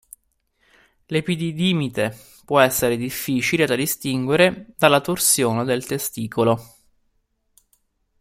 L'epididimite può essere difficile da distinguere dalla torsione del testicolo.